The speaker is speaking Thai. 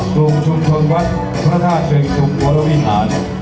ตรงชุมชนวัฒนธรรมเชิงชุมวัลวิหาร